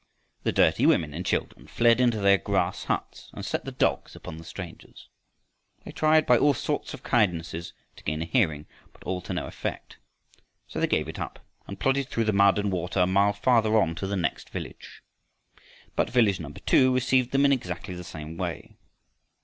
The dirty women and children fled into their grass huts and set the dogs upon the strangers. They tried by all sorts of kindnesses to gain a hearing, but all to no effect. So they gave it up, and plodded through the mud and water a mile farther on to the next village. But village number two received them in exactly the same way.